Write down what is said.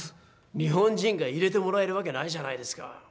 日本人が入れてもらえるわけないじゃないですか